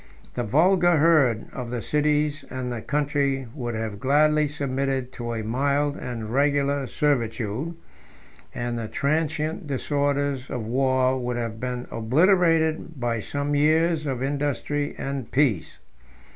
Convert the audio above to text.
The vulgar herd of the cities and the country would have gladly submitted to a mild and regular servitude; and the transient disorders of war would have been obliterated by some years of industry and peace.